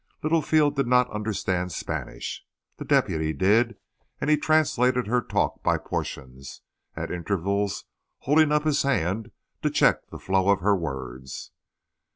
Littlefield did not understand Spanish. The deputy did, and he translated her talk by portions, at intervals holding up his hand to check the flow of her words.